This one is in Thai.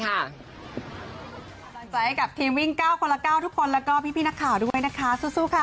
กำลังใจให้กับทีมวิ่ง๙คนละ๙ทุกคนแล้วก็พี่นักข่าวด้วยนะคะสู้ค่ะ